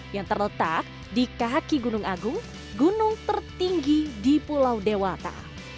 yang terletak di kaki gunung agung gunung tertinggi di pulau dewata